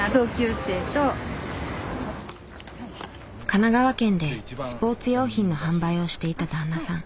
神奈川県でスポーツ用品の販売をしていた旦那さん。